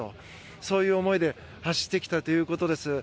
そういう思いで走ってきたということです。